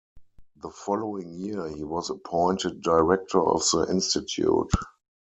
The following year, he was appointed Director of the Institute.